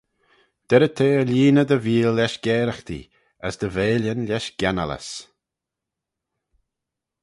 Derrey t'eh er lhieeney dty veeal lesh garaghtee, as dty veillyn lesh gennallys.